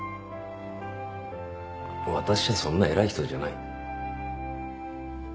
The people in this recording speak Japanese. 私はそんな偉い人じゃない。